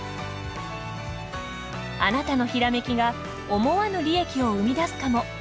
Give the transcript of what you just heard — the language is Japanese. あなたのひらめきが思わぬ利益を生み出すかも。